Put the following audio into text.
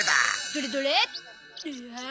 どれどれ！